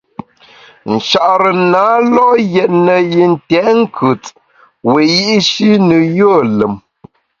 Nchare na lo’ yètne yi ntèt nkùt wiyi’shi ne yùe lùm.